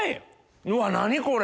うわ何これ？